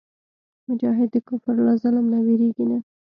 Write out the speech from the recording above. مجاهد د کفر له ظلم نه وېرېږي نه.